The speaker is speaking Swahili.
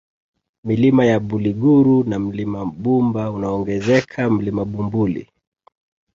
Milima ya Buliguru na Mlima Bumba unaongezeka Mlima Bumbuli